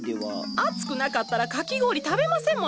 暑くなかったらかき氷食べませんもの。